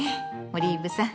オリーブさん